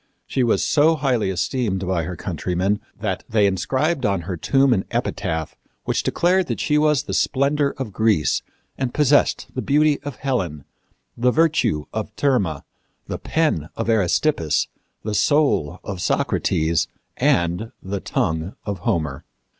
She was so highly esteemed by her countrymen that they inscribed on her tomb an epitaph which declared that she was the splendor of Greece and possessed the beauty of Helen, the virtue of Thirma, the pen of Aristippus, the soul of Socrates, and the tongue of Homer.